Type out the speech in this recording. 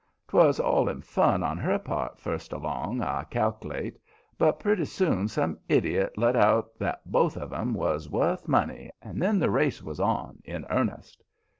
'Twas all in fun on her part first along, I cal'late, but pretty soon some idiot let out that both of 'em was wuth money, and then the race was on in earnest.